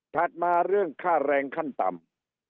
มาเรื่องค่าแรงขั้นต่ำ